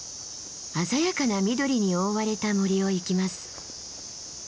鮮やかな緑に覆われた森を行きます。